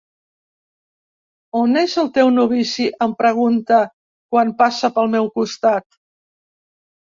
On és el teu novici? —em pregunta quan passa pel meu costat.